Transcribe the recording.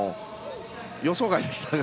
予想外でしたね。